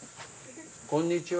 こんにちは。